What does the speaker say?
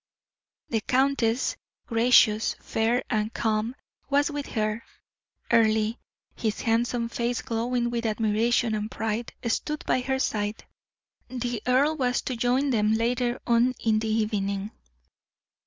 The countess, gracious, fair, and calm, was with her; Earle, his handsome face glowing with admiration and pride, stood by her side. The earl was to join them later on in the evening.